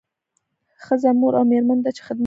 ښځه مور او میرمن ده چې خدمت کوي